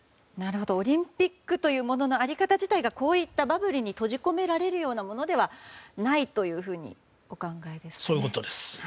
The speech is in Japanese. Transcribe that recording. オリンピックというものの在り方自体がこういったバブルに閉じ込められるようなものではないというふうにお考えですね。